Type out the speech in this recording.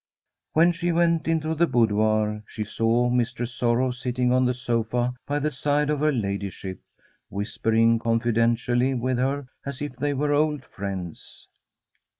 When she went into the boudoir she saw Mis tress Sorrow sitting on the sofa by the side of her ladyship, whispering confidentially with her, as if they were old friends.